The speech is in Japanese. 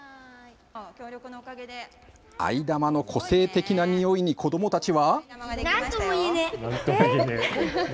藍玉の個性的なにおいに子どもたちは。